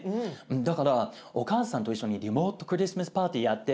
だからお母さんと一緒にリモートクリスマスパーティーやって。